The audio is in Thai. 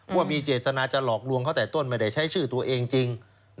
ว่ามีเจตนาจะหลอกลวงเขาแต่ต้นไม่ได้ใช้ชื่อตัวเองจริง